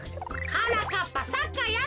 はなかっぱサッカーやろうぜ。